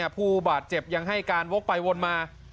ผู้บาดเจ็บยังให้การวกไปวนมา